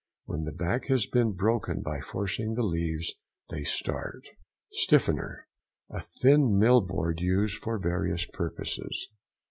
When the back has been broken by forcing the leaves they start. STIFFENER.—A thin mill board used for various purposes.